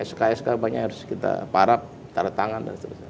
sk sk banyak yang harus kita parap taruh tangan dan seterusnya